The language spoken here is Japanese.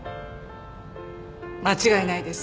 間違いないです